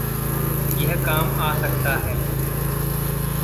यह काम आ सकता है।